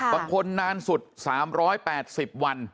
บางคนนานสุด๓๘๐วัน